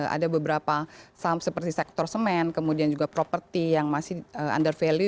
ada beberapa saham seperti sektor semen kemudian juga properti yang masih under value